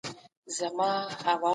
سګرېټ څکول د سرطان لوی لامل دی.